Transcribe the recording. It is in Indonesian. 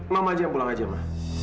mama aja yang pulang aja ma